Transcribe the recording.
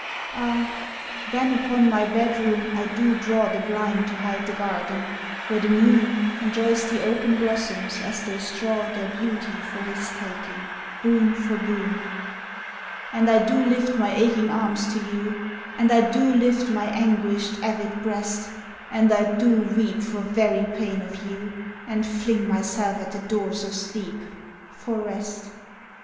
Ah, then, upon my bedroom I do draw The blind to hide the garden, where the moon Enjoys the open blossoms as they straw Their beauty for his taking, boon for boon. And I do lift my aching arms to you, And I do lift my anguished, avid breast, And I do weep for very pain of you, And fling myself at the doors of sleep, for rest.